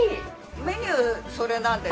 メニューそれなんで。